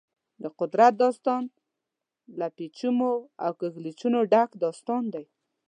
د قدرت داستان له پېچومو او کږلېچونو ډک داستان دی.